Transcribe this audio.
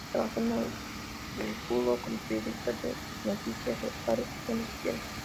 Trabajó en Augsburgo como periodista de noticias locales y temas sociales.